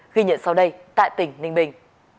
ghi nhận sau đây tại tỉnh ninh bình